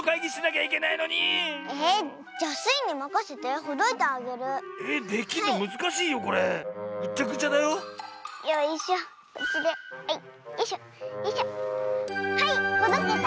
はいほどけた！